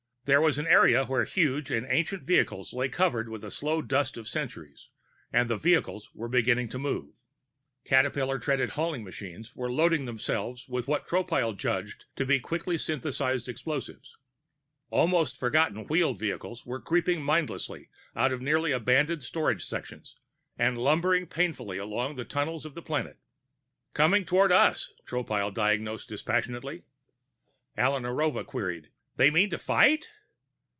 There was an area where huge and ancient vehicles lay covered with the slow dust of centuries, and the vehicles were beginning to move. Caterpillar treaded hauling machines were loading themselves with what Tropile judged were quickly synthesized explosives. Almost forgotten wheeled vehicles were creeping mindlessly out of nearly abandoned storage sections and lumbering painfully along the tunnels of the planet. "Coming toward us," Tropile diagnosed dispassionately. Alla Narova queried: "They mean to fight?"